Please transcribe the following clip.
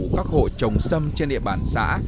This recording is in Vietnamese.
các hộ trồng sâm trên địa bàn xã